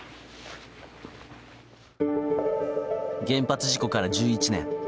原発事故から１１年。